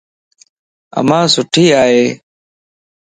امان سٺي ائي.